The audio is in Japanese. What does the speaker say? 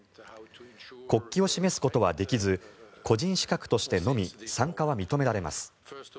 国旗を示すことはできず個人資格としてのみ参加は認められます。